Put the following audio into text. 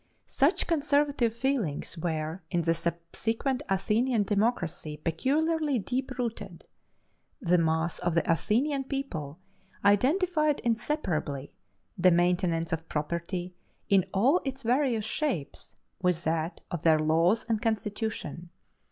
Such conservative feelings were in the subsequent Athenian democracy peculiarly deep rooted. The mass of the Athenian people identified inseparably the maintenance of property in all its various shapes with that of their laws and constitution.